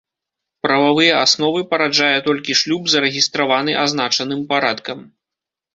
Прававыя асновы параджае толькі шлюб, зарэгістраваны азначаным парадкам.